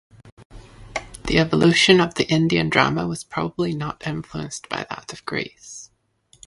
The evolution of the Indian drama was probably not influenced by that of Greece.